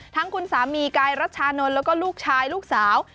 ทั้งคุณสามีกายรัชชานนท์แล้วก็ลูกชายลูกสาว